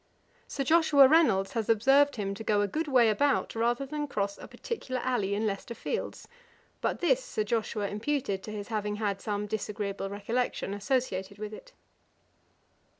Sir Joshua Reynolds has observed him to go a good way about, rather than cross a particular alley in Leicester fields; but this Sir Joshua imputed to his having had some disagreeable recollection associated with it.